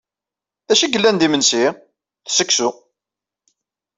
D acu yellan d imensi? D seksu.